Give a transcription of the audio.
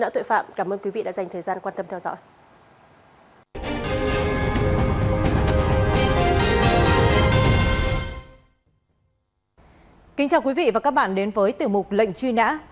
thưa quý vị và các bạn đến với tiểu mục lệnh truy nã